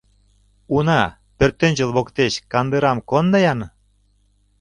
— Уна, пӧртӧнчыл воктеч кандырам кондо-ян!